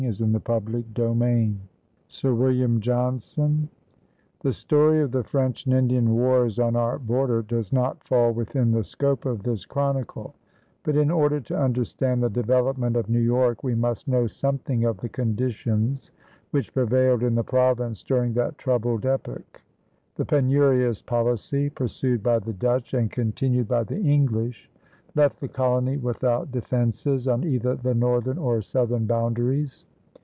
CHAPTER XIV SIR WILLIAM JOHNSON The story of the French and Indian wars on our border does not fall within the scope of this chronicle; but in order to understand the development of New York we must know something of the conditions which prevailed in the province during that troubled epoch. The penurious policy pursued by the Dutch and continued by the English left the colony without defenses on either the northern or southern boundaries.